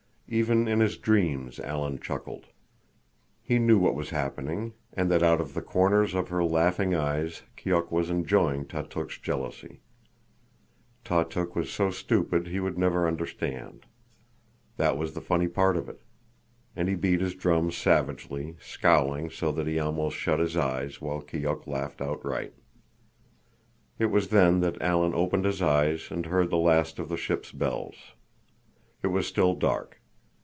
Even in his dreams Alan chuckled. He knew what was happening, and that out of the corners of her laughing eyes Keok was enjoying Tautuk's jealousy. Tautuk was so stupid he would never understand. That was the funny part of it. And he beat his drum savagely, scowling so that he almost shut his eyes, while Keok laughed outright. It was then that Alan opened his eyes and heard the last of the ship's bells. It was still dark.